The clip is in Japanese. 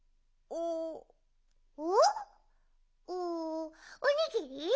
お？おおにぎり？